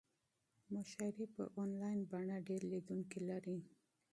مشاعرې په انلاین بڼه ډېر لیدونکي لري.